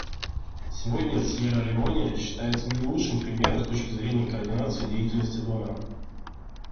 Сегодня Сьерра-Леоне считается наилучшим примером с точки зрения координации деятельности доноров.